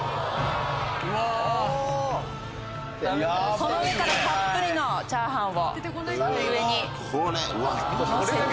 この上からたっぷりのチャーハンをのせて。